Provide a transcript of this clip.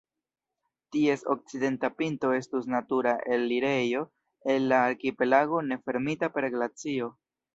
Ties okcidenta pinto estus natura elirejo el la arkipelago ne fermita per glacio.